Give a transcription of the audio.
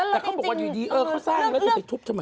แต่เขาบอกว่าอยู่ดีเออเขาสร้างแล้วจะไปทุบทำไม